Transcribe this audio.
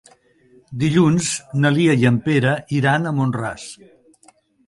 Dilluns na Lia i en Pere iran a Mont-ras.